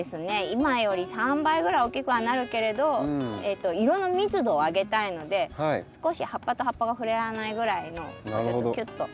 今より３倍ぐらい大きくはなるけれど色の密度を上げたいので少し葉っぱと葉っぱが触れ合わないぐらいのもうちょっとキュッと。